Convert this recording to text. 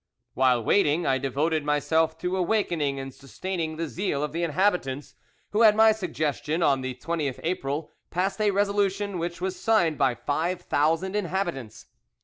While waiting, I devoted myself to awakening and sustaining the zeal of the inhabitants, who at my suggestion, on the 20th April, passed a resolution, which was signed by 5,000 inhabitants."